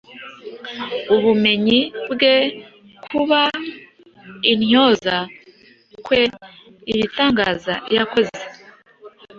Ubumenyi bwe, kuba intyoza kwe, ibitangaza yakoze,